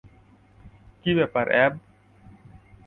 কী ব্যাপার, অ্যাব?